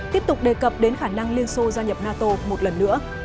tiếp tục đề cập đến khả năng liên xô gia nhập nato một lần nữa